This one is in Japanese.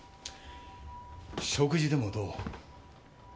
食事でもどう？